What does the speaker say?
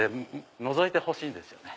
のぞいてほしいんですよね。